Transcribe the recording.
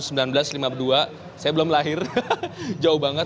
saya belum lahir jauh banget